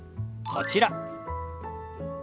こちら。